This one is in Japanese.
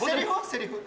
セリフ。